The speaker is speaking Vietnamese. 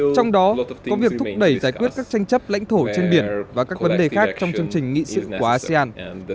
trong đó có việc thúc đẩy giải quyết các tranh chấp lãnh thổ trên biển và các vấn đề khác trong chương trình nghị sự của asean